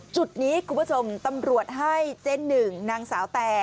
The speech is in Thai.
จุดนี้คุณผู้ชมตำรวจให้เจ๊หนึ่งนางสาวแต่